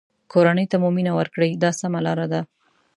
کورنۍ ته مو مینه ورکړئ دا سمه لاره ده.